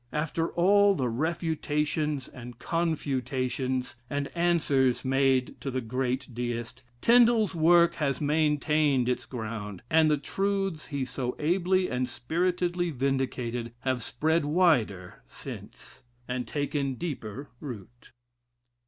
After all the "refutations," and "confutations" and answers made to the great Deist, Tin dal's work has maintained its ground, and the truths he so ably and spiritedly vindicated, have spread wider since and taken deeper root.